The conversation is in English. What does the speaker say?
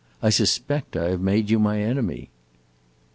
I suspect I have made you my enemy."